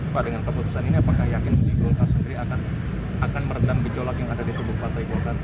pak dengan keputusan ini apakah yakin golkar sendiri akan meredam gejolak yang ada di tubuh partai golkar